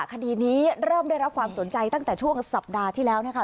คดีนี้เริ่มได้รับความสนใจตั้งแต่ช่วงสัปดาห์ที่แล้วนะคะ